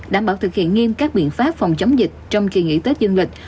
đảm bảo thực hiện nghiêm các biện pháp phòng chống dịch trong kỳ nghỉ tết dương lịch